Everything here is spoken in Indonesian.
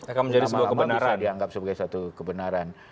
nama nama bisa dianggap sebagai satu kebenaran